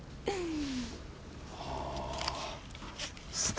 えっ？